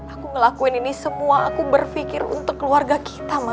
aku ngelakuin ini semua aku berpikir untuk keluarga kita mah